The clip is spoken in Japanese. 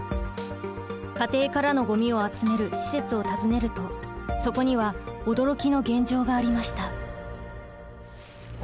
家庭からのゴミを集める施設を訪ねるとそこには驚きの現状がありました。